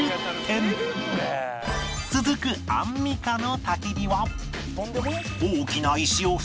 続くアンミカの焚き火は